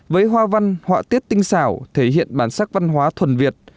với hoa văn họa tiết tinh xảo thể hiện bản sắc văn hóa thuần việt